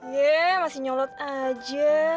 ya masih nyolot aja